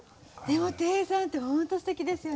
でもテイさんって本当すてきですよね。